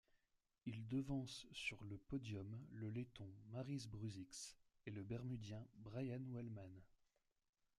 Il devance sur le podium le Letton Māris Bružiks et le Bermudien Brian Wellman.